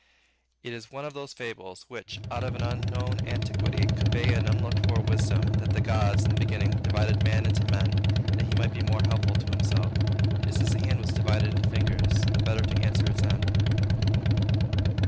It is one of those fables, which, out of an unknown antiquity, convey an unlooked for wisdom, that the gods, in the beginning, divided Man into men, that he might be more helpful to himself; just as the hand was divided into fingers, the better to answer its end.